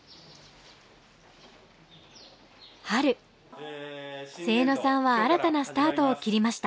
春清野さんは新たなスタートを切りました。